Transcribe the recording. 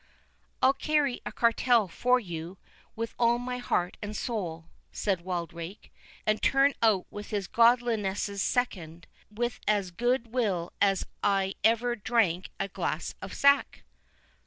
"I'll carry a cartel for you, with all my heart and soul," said Wildrake; "and turn out with his godliness's second, with as good will as I ever drank a glass of sack."